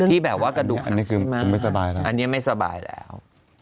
ที่แบบว่ากระดูกหักใช่ไหมอันนี้ไม่สบายแล้ว